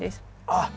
あっ